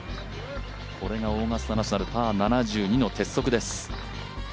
これがオーガスタ・ナショナルパー７２の鉄則です。